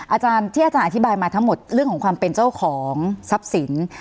อาจารย์ที่อาจารย์อธิบายมาทั้งหมดเรื่องของความเป็นเจ้าของทรัพย์สิน